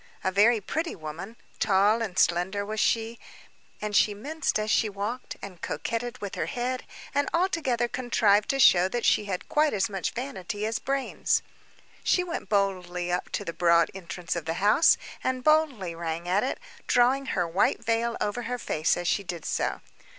A very pretty woman, tall and slender was she, and she minced as she walked, and coquetted with her head, and, altogether contrived to show that she had quite as much vanity as brains. She went boldly up to the broad entrance of the house, and boldly rang at it, drawing her white veil over her face as she did so.